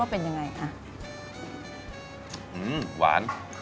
อื้มหวาน